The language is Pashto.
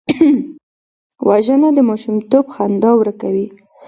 وژنه د ماشومتوب خندا ورکوي